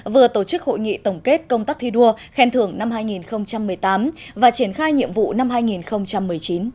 vừa tổ chức hội nghị tổng kết công tác thi đua khen thưởng năm hai nghìn một mươi tám và triển khai nhiệm vụ năm hai nghìn một mươi chín